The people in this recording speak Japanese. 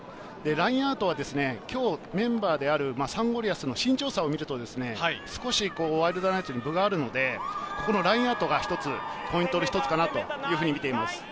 ラインアウトは今日メンバーであるサンゴリアスの身長差を見ると、少しワイルドナイツに分があるので、ラインアウトが一つポイントだと思います。